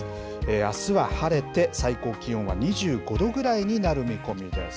あすは晴れて最高気温は２５度ぐらいになる見込みです。